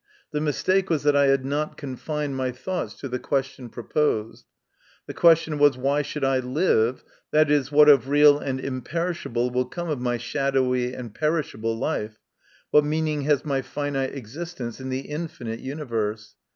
The mistake was that I had not confined my thoughts to the question proposed. The question was, why should I live z>., what of real and imperishable will come of my shadowy and perishable life what meaning has my finite existence in the infinite universe?